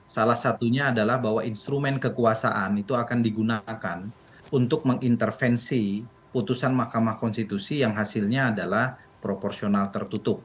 salah satunya adalah bahwa instrumen kekuasaan itu akan digunakan untuk mengintervensi putusan mahkamah konstitusi yang hasilnya adalah proporsional tertutup